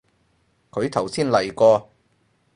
佢頭先嚟過